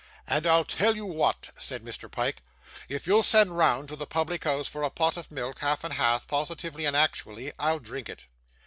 'And I'll tell you what,' said Mr. Pyke; 'if you'll send round to the public house for a pot of milk half and half, positively and actually I'll drink it.